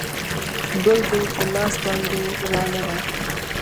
ګل دې په لاس باندې رانغلی